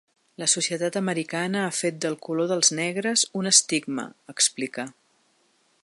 La societat americana ha fet del color dels negres un estigma, explica.